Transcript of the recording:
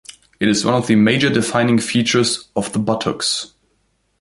It is one of the major defining features of the buttocks.